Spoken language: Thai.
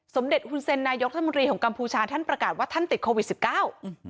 สมเด็จฮุนเซ็นนายกรัฐมนตรีของกัมพูชาท่านประกาศว่าท่านติดโควิดสิบเก้าอืม